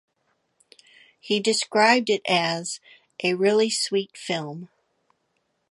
He described it as "a really sweet film".